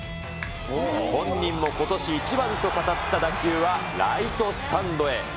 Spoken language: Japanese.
本人もことし一番と語った打球は、ライトスタンドへ。